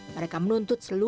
mereka menuntut seluruh